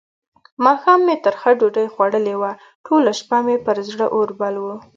ماښام مې ترخه ډوډۍ خوړلې وه؛ ټوله شپه مې پر زړه اور بل وو.